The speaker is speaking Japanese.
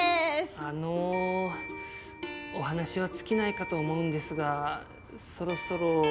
あのお話は尽きないかと思うんですがそろそろ。